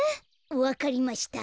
わかりました。